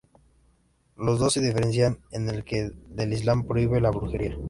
Las dos se diferencian en que la del islam prohíbe la brujería.